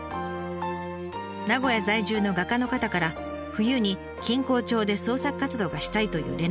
名古屋在住の画家の方から冬に錦江町で創作活動がしたいという連絡でした。